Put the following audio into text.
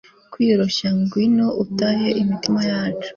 kwiyoroshya, ngwino utahe imitima yacu